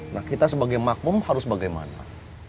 nah kita sebagai makmum harus bagaimana